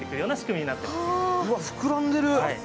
うわ、膨らんでる。